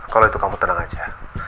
kalau itu kamu tenang aja